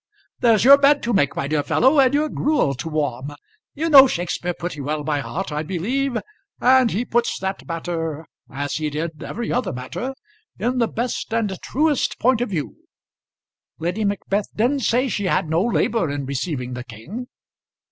"There's your bed to make, my dear fellow, and your gruel to warm. You know Shakspeare pretty well by heart I believe, and he puts that matter, as he did every other matter, in the best and truest point of view. Lady Macbeth didn't say she had no labour in receiving the king.